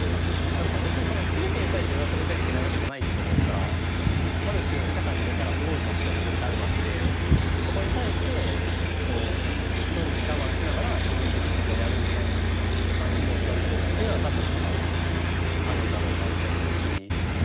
何か別にその全てに対して納得しなきゃいけないわけじゃないと思うからある種社会に出たら不合理なことだって絶対あるわけでそこに対してこうどうにか我慢しながら自分のできることをやるみたいなマインドを育てるっていうのが多分そのあるんだろうなって思うし。